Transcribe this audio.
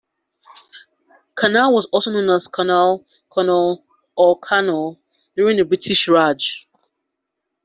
Karnal was also known as Karnaal, Kurnaul or Karnaul during the British Raj.